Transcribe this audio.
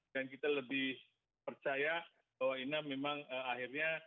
dan kita lebih percaya bahwa ini memang akhirnya